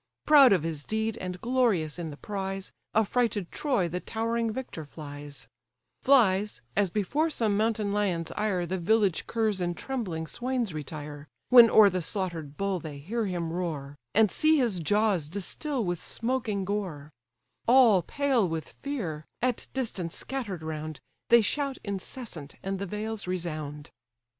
Proud of his deed, and glorious in the prize, Affrighted Troy the towering victor flies: Flies, as before some mountain lion's ire The village curs and trembling swains retire, When o'er the slaughter'd bull they hear him roar, And see his jaws distil with smoking gore: All pale with fear, at distance scatter'd round, They shout incessant, and the vales resound.